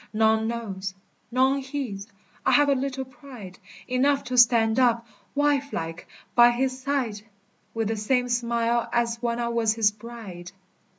None knows, none heeds. I have a little pride; Enough to stand up, wifelike, by his side, With the same smile as when I was his bride.